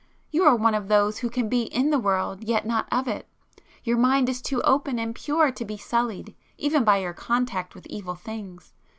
You are one of those who can be in the world yet not of it; your mind is too open and pure to be sullied, even by contact with evil things.